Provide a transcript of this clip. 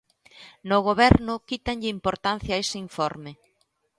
No Goberno quítanlle importancia a ese informe.